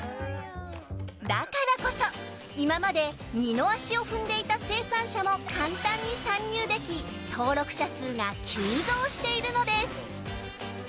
だからこそ今まで二の足を踏んでいた生産者も簡単に参入でき登録者数が急増しているのです。